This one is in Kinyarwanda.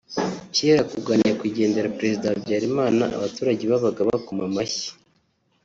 Cyera kubwa Nyakwigendera Président Habyarimana abaturage babaga bakoma amashyi